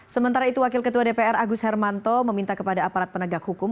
sementara itu wakil ketua dpr agus hermanto meminta kepada aparat penegak hukum